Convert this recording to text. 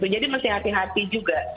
jadi mesti hati hati juga